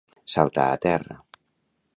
Saltar a terra.